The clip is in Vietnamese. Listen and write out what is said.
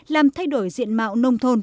làm thay đổi diện mạo nông thôn